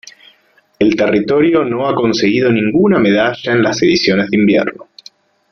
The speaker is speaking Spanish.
El territorio no ha conseguido ninguna medalla en las ediciones de invierno.